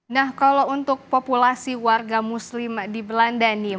nah kalau untuk populasi warga muslim di belanda nih